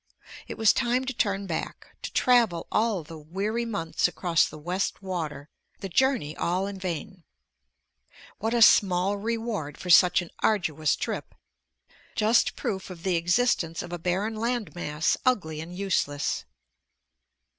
It was time to turn back, to travel all the weary months across the West Water, the journey all in vain. What a small reward for such an arduous trip ... just proof of the existence of a barren land mass, ugly and useless.